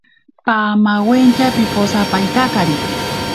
Pamawentya piposapaintakari.